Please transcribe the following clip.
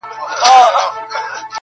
• زورور به په ځنګله کي تر هر چا وي -